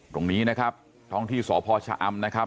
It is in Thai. ตรงนี้นะครับท้องที่สพชะอำนะครับ